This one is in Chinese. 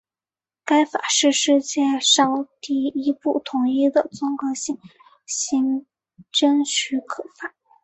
该法是世界上第一部统一的综合性行政许可法。